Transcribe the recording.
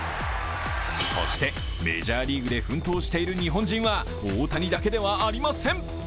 そして、メジャーリーグで奮闘している日本人は大谷だけではありません。